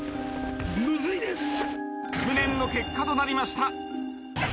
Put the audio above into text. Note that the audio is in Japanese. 無念の結果となりました。